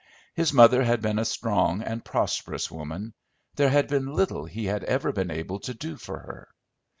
His mother had been a strong and prosperous woman; there had been little he had ever been able to do for her.